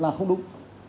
là không đúng